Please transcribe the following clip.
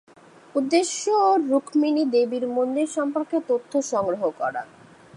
উদ্দেশ্য রুকমিনী দেবীর মন্দির সম্পর্কে তথ্য সংগ্রহ করা।